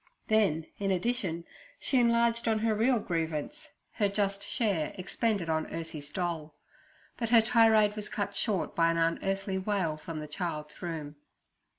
Then in addition she enlarged on her real grievance, her just share expended on Ursie's doll; but her tirade was cut short by an unearthly wail from the child's room.